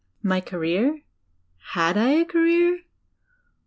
My career? Had I a career?